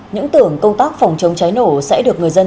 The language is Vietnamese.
những tưởng công tác phòng chống cháy nổ sẽ được người dân